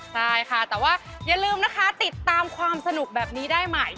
ใช่ค่ะแต่ว่าอย่าลืมนะคะติดตามความสนุกแบบนี้ได้ใหม่